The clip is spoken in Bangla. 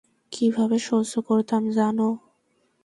কীভাবে সহ্য করতাম জানো?